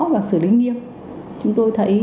và xử lý nghiêm chúng tôi thấy